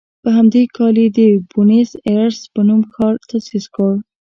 په همدې کال یې د بونیس ایرس په نوم ښار تاسیس کړ.